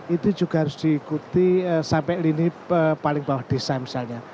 itu juga harus diikuti sampai lini paling bawah desa misalnya